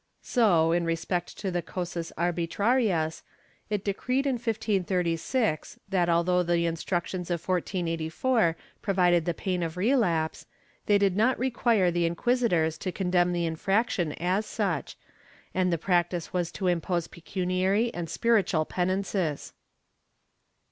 So, in respect to the cosas arhitrarias, it decreed in 1536, that although the Instructions of 1484 provided the pain of relapse, they did not require the inquisitors to condemn the infraction as such, and the practice was to impose pecuniary and spiritual penances.